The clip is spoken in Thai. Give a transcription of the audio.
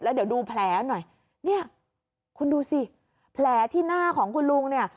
เดี๋ยวดูแผลหน่อยเนี่ยคุณดูสิแผลที่หน้าของคุณลุงเนี่ย